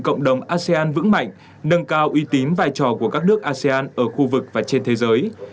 cộng đồng asean vững mạnh nâng cao uy tín vai trò của các nước asean ở khu vực và trên thế giới